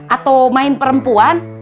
atau main perempuan